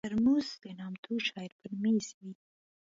ترموز د نامتو شاعر پر مېز وي.